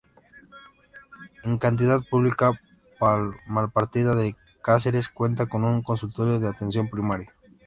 En sanidad pública, Malpartida de Cáceres cuenta con un consultorio de atención primaria.